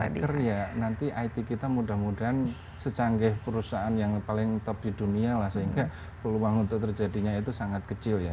hacker ya nanti it kita mudah mudahan secanggih perusahaan yang paling top di dunia lah sehingga peluang untuk terjadinya itu sangat kecil ya